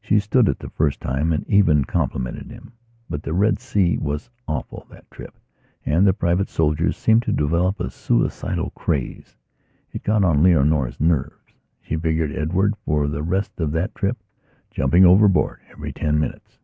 She stood it the first time and even complimented him. But the Red Sea was awful, that trip, and the private soldiers seemed to develop a suicidal craze. It got on Leonora's nerves; she figured Edward, for the rest of that trip, jumping overboard every ten minutes.